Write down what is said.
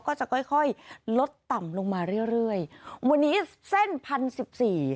ก็จะค่อยค่อยลดต่ำลงมาเรื่อยเรื่อยวันนี้เส้นพันสิบสี่